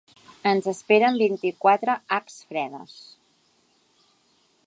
Ens esperen vint-i-quatre h fredes.